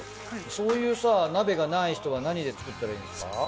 そういうさ鍋がない人は何で作ったらいいですか？